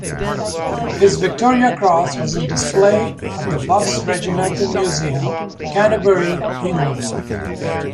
His Victoria Cross was on display at The Buffs Regimental Museum, Canterbury, England.